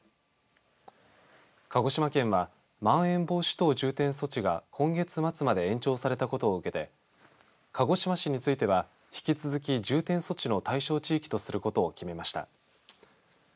鹿児島県はまん延防止等重点措置が今月末まで延長されたことを受けて鹿児島市については引き続き重点措置の対象地域とすることを決めました。